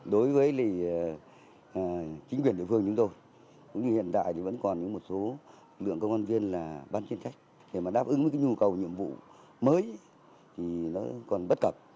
đối với chính quyền địa phương chúng tôi hiện đại vẫn còn một số lượng công an viên bán chiến trách để đáp ứng với nhu cầu nhiệm vụ mới còn bất cập